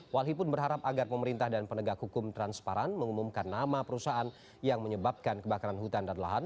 walhi pun berharap agar pemerintah dan penegak hukum transparan mengumumkan nama perusahaan yang menyebabkan kebakaran hutan dan lahan